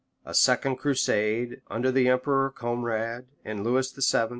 A second crusade, under the emperor Conrade, and Lewis VII.